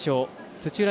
土浦